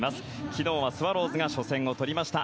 昨日はスワローズが初戦を取りました。